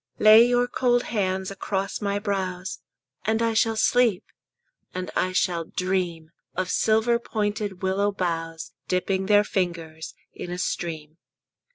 Lay your cold hands across my brows, And I shall sleep, and I shall dream Of silver pointed willow boughs Dipping their fingers in a stream.